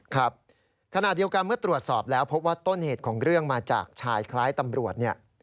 ครับขณะเดียวกันเมื่อตรวจสอบแล้วพบว่าต้นเหตุของเรื่องมาจากชายคล้ายตำรวจเนี่ย